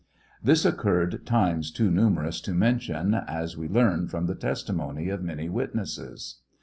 This occurred times too numerous to mention , as we learn from the testimony of many witnesses.